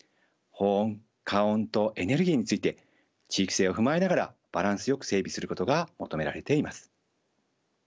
保温加温とエネルギーについて地域性を踏まえながらバランスよく整備することが求められています。